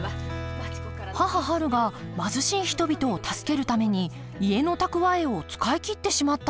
母はるが貧しい人々を助けるために家の蓄えを使い切ってしまったのです。